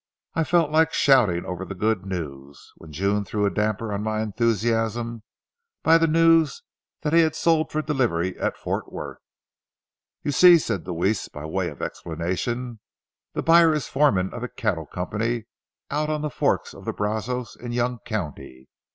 I felt like shouting over the good news, when June threw a damper on my enthusiasm by the news that he had sold for delivery at Fort Worth. "You see," said Deweese, by way of explanation, "the buyer is foreman of a cattle company out on the forks of the Brazos in Young County.